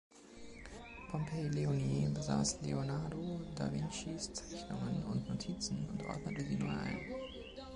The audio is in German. Pompeo Leoni besaß Leonardo da Vincis Zeichnungen und Notizen und ordnete sie neu ein.